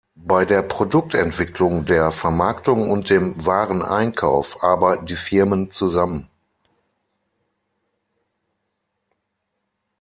Bei der Produktentwicklung, der Vermarktung und dem Wareneinkauf arbeiten die Firmen zusammen.